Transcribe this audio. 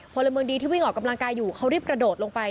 พลเมืองดีที่วิ่งออกกำลังกายอยู่เขารีบกระโดดลงไป